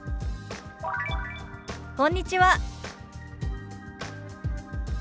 「こんにちは」。